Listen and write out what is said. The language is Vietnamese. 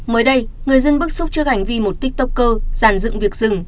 mới đây người dân bức xúc trước hành vi một tiktoker giàn dựng việc rừng